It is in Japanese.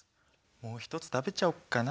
もう一つ食べちゃおっかな。